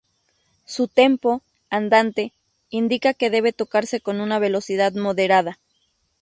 Su tempo, "andante", indica que debe tocarse con una velocidad moderada.